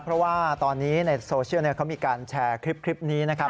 เพราะว่าตอนนี้ในโซเชียลเขามีการแชร์คลิปนี้นะครับ